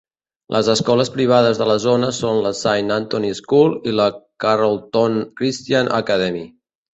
Les escoles privades de la zona són la Saint Anthony School i la Carrollton Christian Academy.